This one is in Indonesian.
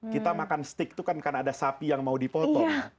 kita makan steak itu kan karena ada sapi yang mau dipotong